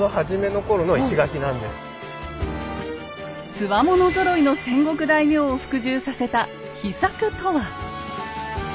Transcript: つわものぞろいの戦国大名を服従させた秘策とは？